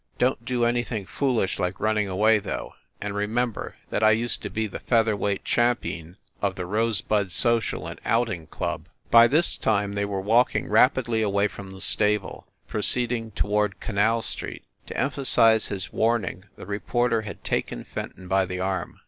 Don t do anything foolish like running away, though; and remember that I used to be the feather weight champeen of the Rosebud Social and Outing Club." By this time they were walking rapidly away from the stable, proceeding toward Canal Street. To emphasize his warning, the reporter had taken Fenton by the arm.